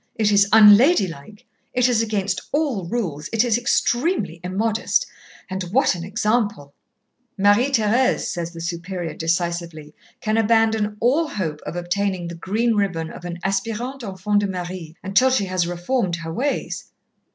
It is unladylike, it is against all rules, it is extremely immodest.... And what an example! Marie Thérèse, says the Superior decisively, can abandon all hope of obtaining the green ribbon of an aspirante enfant de Marie until she has reformed her ways.